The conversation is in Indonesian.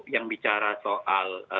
yang bicara soal